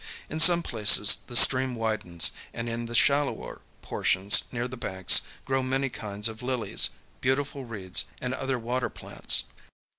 In some places the stream widens, and in the shallower portions near the banks grow many kinds of lilies, beautiful reeds, and other water plants.